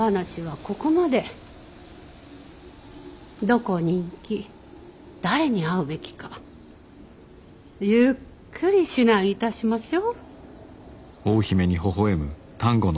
どこに行き誰に会うべきかゆっくり指南いたしましょう。